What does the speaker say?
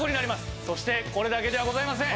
そしてこれだけではございません。